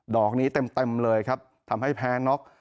อกนี้เต็มเลยครับทำให้แพ้น็อก